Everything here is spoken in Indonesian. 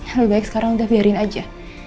ya udah baik sekarang udah biarin aja